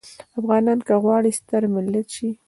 افغانان که غواړي ستر ملت شي.